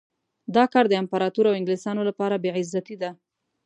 دا کار د امپراطور او انګلیسیانو لپاره بې عزتي ده.